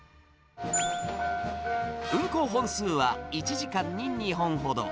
運行本数は１時間に２本ほど。